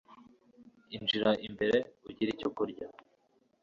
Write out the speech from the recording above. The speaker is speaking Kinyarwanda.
Injira imbere ugire icyo kurya.